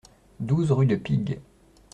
douze rue de Pigue